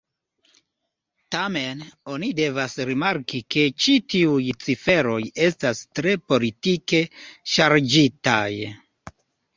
Tamen, oni devas rimarki ke ĉi tiuj ciferoj estas tre politike ŝarĝitaj.